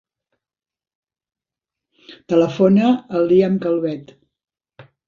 Telefona al Liam Calvet.